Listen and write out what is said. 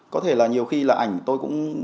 có thể là nhiều khi là ảnh tôi cũng